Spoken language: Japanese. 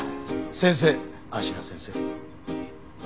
先生芦名先生。